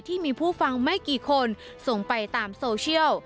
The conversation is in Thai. ที่มีผู้ฟังไม่กี่คนส่งไปตามโซเชียล